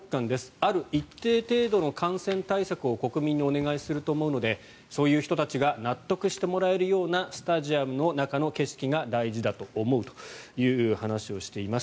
ある一定程度の感染対策を国民にお願いすると思うのでそういう人たちが納得してもらえるようなスタジアムの中の景色が大事だと思うという話をしています。